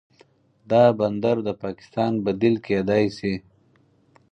دا بندر د پاکستان بدیل کیدی شي.